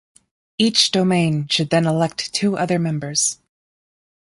Each domain should then elect two other members.